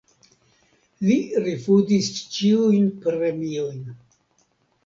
Li rifuzis ĉiujn premiojn.